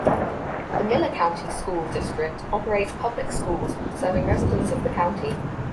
The Miller County School District operates public schools serving residents of the county.